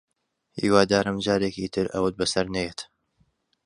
هیوادارم جارێکی تر ئەوەت بەسەر نەیەت